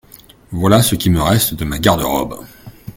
Voilà ce qui me reste de ma garde-robe !…